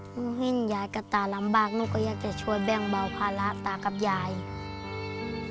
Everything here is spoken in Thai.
ที่ให้นู่นให้กับตารำบากนู่นก็อยากจะช่วยแบ้งเบาภาระตากับอย่าง